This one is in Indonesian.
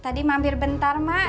tadi mampir bentar mak